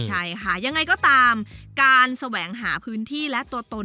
ใช่ค่ะยังไงก็ตามการแสวงหาพื้นที่และตัวตน